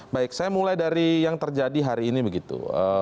baik saya mulai dari yang terjadi hari ini begitu